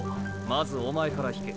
まずおまえから引け。